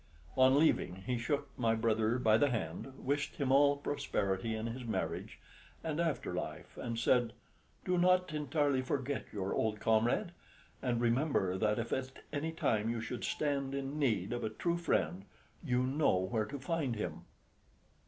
On leaving he shook my brother by the hand, wished him all prosperity in his marriage and after life, and said, "Do not entirely forget your old comrade, and remember that if at any time you should stand in need of a true friend, you know where to find him!"